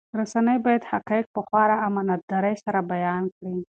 رسنۍ باید حقایق په خورا امانتدارۍ سره بیان کړي.